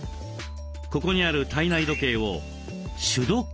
ここにある体内時計を「主時計」。